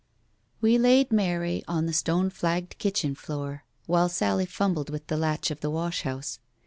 We laid Mary on the stone flagged kitchen floor, while Sally fumbled with the latch of the wash house.